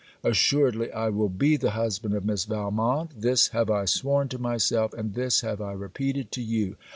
Assuredly I will be the husband of Miss Valmont. This have I sworn to myself: and this have I repeated to you.